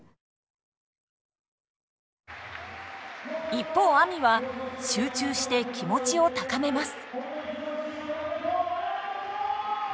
一方ＡＭＩは集中して気持ちを高めます。